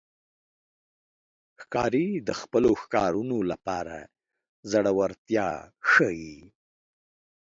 ښکاري د خپلو ښکارونو لپاره زړورتیا ښيي.